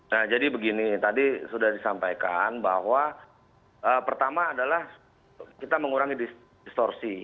nah jadi begini tadi sudah disampaikan bahwa pertama adalah kita mengurangi distorsi